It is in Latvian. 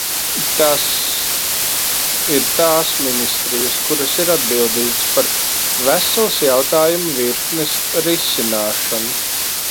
Tās ir tās ministrijas, kuras ir atbildīgas par veselas jautājumu virknes risināšanu.